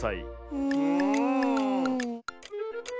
うん！